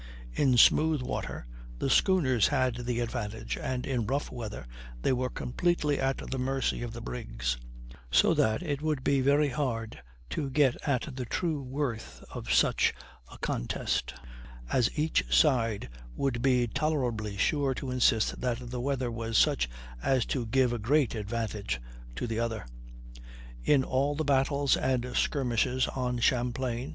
In smooth water the schooners had the advantage, and in rough weather they were completely at the mercy of the brigs; so that it would be very hard to get at the true worth of such a contest, as each side would be tolerably sure to insist that the weather was such as to give a great advantage to the other. In all the battles and skirmishes on Champlain.